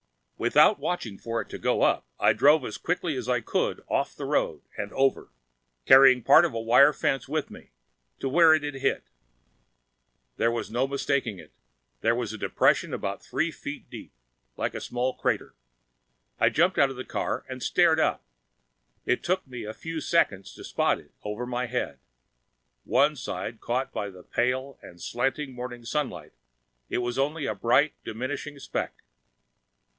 Without watching for it to go up, I drove as quickly as I could off the road and over carrying part of a wire fence with me to where it had hit. There was no mistaking it; there was a depression about three feet deep, like a small crater. I jumped out of the car and stared up. It took me a few seconds to spot it, over my head. One side caught by the pale and slanting morning sunlight, it was only a bright diminishing speck.